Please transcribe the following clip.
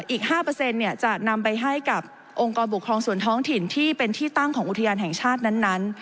อีกห้าเปอร์เซ็นต์เนี่ยจะนำไปให้กับองค์กรบุคคลองส่วนท้องถิ่นที่เป็นที่ตั้งของอุทยานแห่งชาตินั้นนั้น